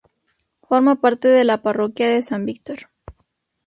Forma parte de la parroquia de San Víctor.